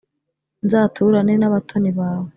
nzaturane n` abatoni bawe